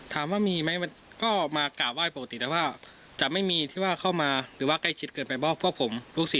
ถามว่ามีไหมก็มากากว่ายปกติแต่ว่าจะไม่มีที่ว่าเข้ามาหรือว่าใกล้ชิดเกินไป